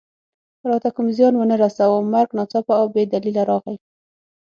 راته کوم زیان و نه رساوه، مرګ ناڅاپه او بې دلیله راغی.